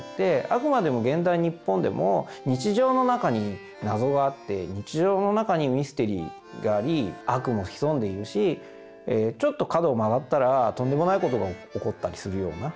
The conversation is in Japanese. あくまでも現代日本でも日常の中に謎があって日常の中にミステリーがあり悪も潜んでいるしちょっと角を曲がったらとんでもないことが起こったりするような。